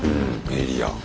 エリア。